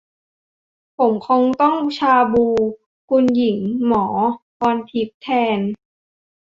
ผมคงต้องชาบู คุณหญิงหมอพรทิพย์ แทน